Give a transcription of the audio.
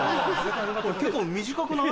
これ結構短くない？